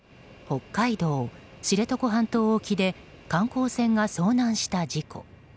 北海道の知床半島沖で観光船が遭難した事故。